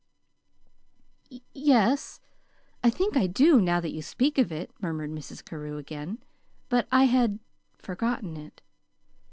"Y yes, I think I do now that you speak of it," murmured Mrs. Carew again. "But I had forgotten it."